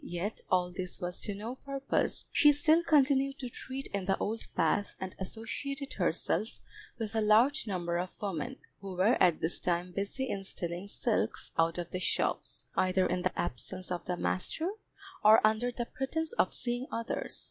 Yet all this was to no purpose, she still continued to treat in the old path and associated herself with a large number of women, who were at this time busy in stealing silks out of the shops, either in the absence of the master, or under the pretence of seeing others.